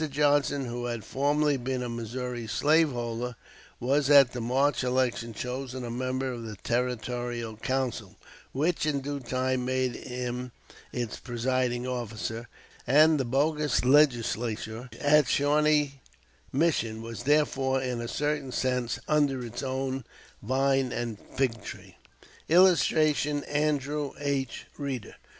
Johnson, who had formerly been a Missouri slaveholder, was at the March election chosen a member of the Territorial Council, which in due time made him its presiding officer; and the bogus Legislature at Shawnee Mission was therefore in a certain sense under its own "vine and fig tree." [Illustration: ANDREW H. REEDER.